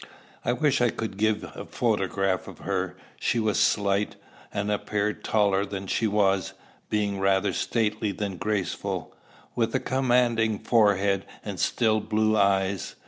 I wish I could give a photograph of her. She was slight, and appeared taller than she was, being rather stately than graceful, with a commanding forehead and still blue eyes.